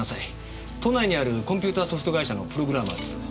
都内にあるコンピューターソフト会社のプログラマーです。